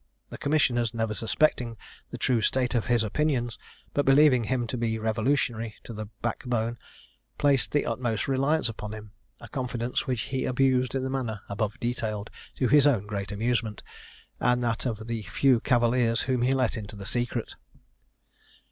The commissioners, never suspecting the true state of his opinions, but believing him to be revolutionary to the back bone, placed the utmost reliance upon him; a confidence which he abused in the manner above detailed, to his own great amusement, and that of the few cavaliers whom he let into the secret.